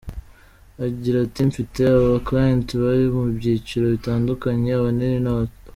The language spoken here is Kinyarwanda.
Agira ati:"mfite aba client bari mu byiciro bitandukanye, abanini n’abato.